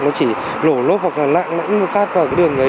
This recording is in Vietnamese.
nó chỉ lổ lốp hoặc là lạng lãnh một phát vào cái đường ấy